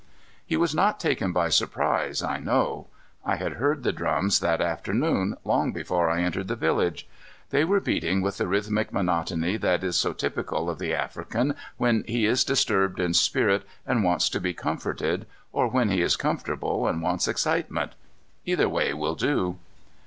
He was not taken by surprise, I know. I had heard the drums that afternoon, long before I entered the village. They were beating with the rhythmic monotony that is so typical of the African when he is disturbed in spirit and wants to be comforted, or when he is comfortable and wants excitement. Either way will do.